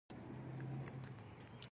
په مکې فتح کې ډېره لویه بهادري وکړه.